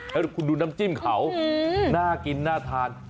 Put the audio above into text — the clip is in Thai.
ให้คุณดูน้ำจิ้มเขาน่ากินน่าทาน